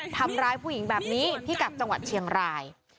ทำร้ายผู้หญิงแบบนี้ที่กลับจังหวัดเชียงราย